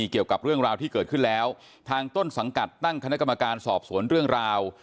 เกี่ยวกับเรื่องราวที่เกิดขึ้นแล้วทางต้นสังกัดตั้งคณะกรรมการสอบสวนเรื่องราว